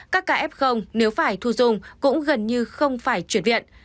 các kf nếu phải thu dùng cũng gần như không phải chuyển viện